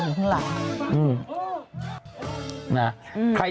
สงการอยู่ข้างหลัง